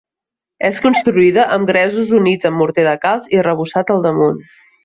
És construïda amb gresos units amb morter de calç i arrebossat al damunt.